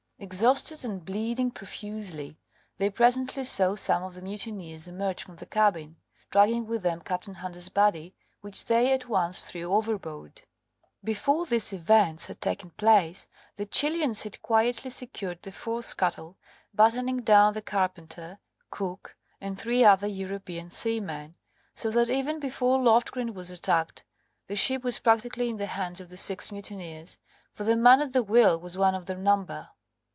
Exhausted and bleeding profusely, they presently saw some of the mutineers emerge from the cabin, dragging with them Captain Hunter's body, which they at once threw overboard. Before these events had taken place the Chilians had quietly secured the fore scuttle, battening down the carpenter, cook, and three other European seamen, so that even before Loftgreen was attacked the ship was practically in the hands of the six mutineers, for the man at the wheel was one of their number.